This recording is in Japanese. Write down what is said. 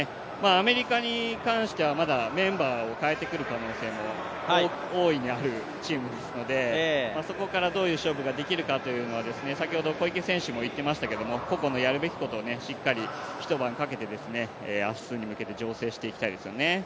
アメリカに関してはまだメンバーを変えてくる可能性も大いにあるチームですのでそこからどういう勝負ができるかというのは、先ほど小池選手も言っていましたけど、個々のやるべきことをしっかり一晩かけて明日に向けて調整していきたいですよね。